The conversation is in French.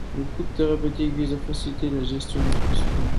Le couple thérapeutique vise à faciliter la gestion du transfert.